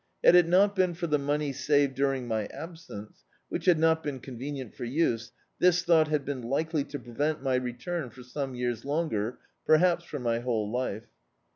Had it not been for the money saved during my alienee, which had not been convenient for use, this thou^t had been likely to prevent my return for some years longer, perhaps for my whole life.